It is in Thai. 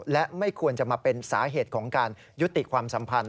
และไม่ควรจะมาเป็นสาเหตุของการยุติความสัมพันธ